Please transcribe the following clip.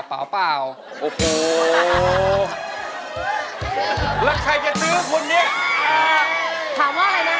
แล้วใครจะซื้อคุณเนี่ย